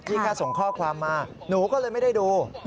แค่ส่งข้อความมาหนูก็เลยไม่ได้ดู